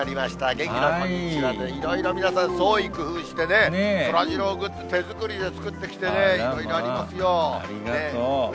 元気なこんにちはで、いろいろ皆さん創意工夫してね、そらジローグッズ、手作りで作っありがとう。